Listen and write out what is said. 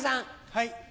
はい。